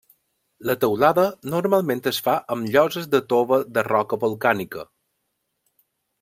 La teulada normalment es fa amb lloses de tova de roca volcànica.